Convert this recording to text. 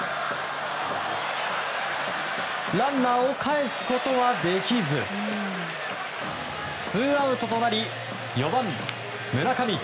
ランナーをかえすことはできずツーアウトとなり４番、村上。